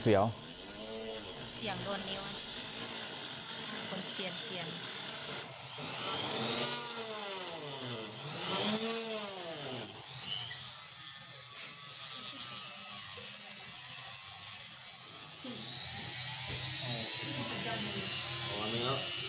เสียงโดนนิ้วคนเคียนเคียน